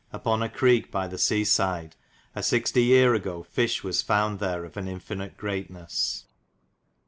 (Apon a creke by the se side) a xl. yere ago fisch was fownd ther of an infinite greatnes.